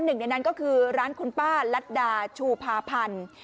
หนึ่งในนั้นก็คือร้านคุณป้าลัดดาชูพาพันธ์